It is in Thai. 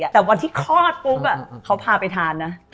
แต่วันที่คลอดปุ๊บเขาพาไปทานนะ